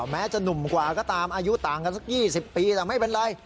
แม้จะหนุ่มกว่าก็ตามอายุต่างกันสัก๒๐ปีแต่ไม่เป็นไร